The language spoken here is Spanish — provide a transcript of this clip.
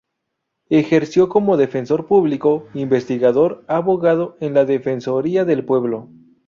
Ejerció como defensor público Investigador Abogado en la Defensoría del Pueblo.